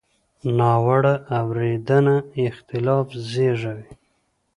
ناوړه اورېدنه اختلاف زېږوي.